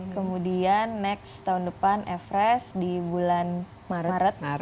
kemudian next tahun depan everest di bulan maret